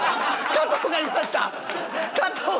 加藤がいました！